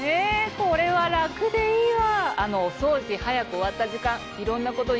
これは楽でいいわ。